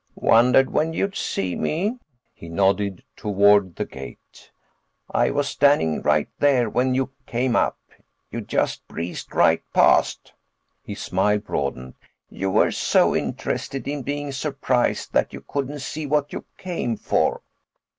"Wondered when you'd see me." He nodded toward the gate. "I was standing right there when you came up. You just breezed right past." His smile broadened. "You were so interested in being surprised that you couldn't see what you came for."